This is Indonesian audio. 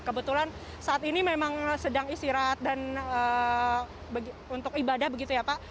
kebetulan saat ini memang sedang istirahat dan untuk ibadah begitu ya pak